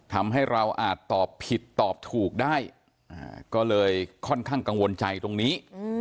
ทำให้เราอาจตอบผิดตอบถูกได้ก็เลยค่อนข้างกังวลใจตรงนี้